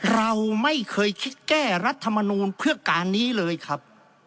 เราไม่เคยคิดแก้รัฐมนูลเพื่อการนี้เลยครับ